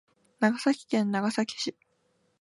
長崎県長崎市